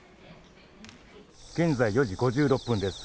現在４時５６分です。